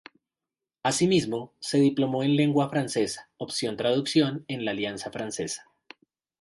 Asimismo, se diplomó en lengua francesa opción traducción en la Alianza Francesa.